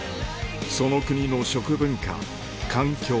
その国の食文化環境